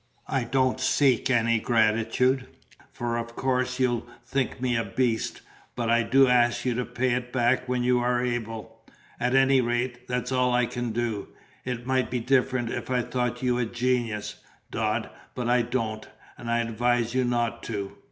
I don't seek any gratitude, for of course you'll think me a beast; but I do ask you to pay it back when you are able. At any rate, that's all I can do. It might be different if I thought you a genius, Dodd; but I don't, and I advise you not to."